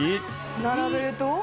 並べると？